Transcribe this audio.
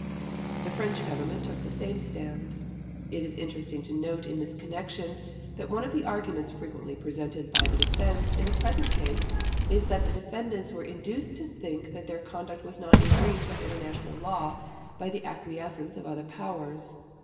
The French Government took the same stand. It is interesting to note in this connection, that one of the arguments frequently presented by the Defense in the present case is that the Defendants were induced to think that their conduct was not in breach of international law by the acquiescence of other Powers.